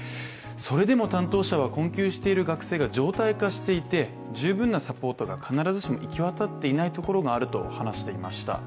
それでも担当者は困窮している学生が常態化していて十分なサポートが必ずしも行き渡っていないところがあると話していました。